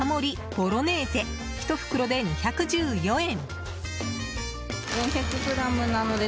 ボロネーゼ１袋で２１４円。